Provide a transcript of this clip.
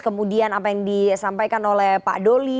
kemudian apa yang disampaikan oleh pak doli